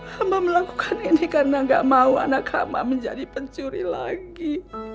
hamba melakukan ini karena gak mau anak hama menjadi pencuri lagi